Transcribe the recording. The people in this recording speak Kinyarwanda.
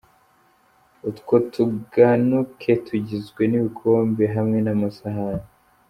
Utwo tuganuke tugizwe n'ibikombe hamwe n'amasahani.